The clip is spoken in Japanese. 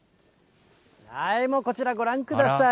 こちら、ご覧ください。